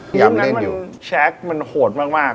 พรีมนั้นแชคมันโหดมาก